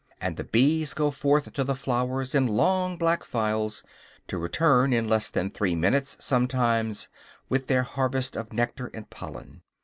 And the bees go forth to the flowers, in long black files, to return, in less than three minutes sometimes, with their harvest of nectar and pollen.